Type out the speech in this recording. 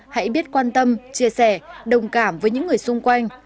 hãy biết quan tâm chia sẻ đồng cảm với những người xung quanh